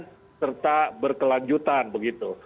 yang memperdayakan serta berkelanjutan begitu